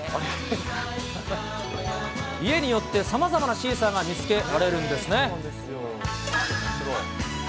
家によってさまざまなシーサーが見つけられるんですね。